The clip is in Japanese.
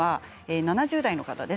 ７０代の方です。